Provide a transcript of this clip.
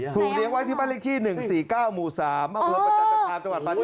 ถูกเรียกไว้ที่บ้านเลขที่๑๔๙ม๓บภภาพจังหวัดปลาจีนบุรี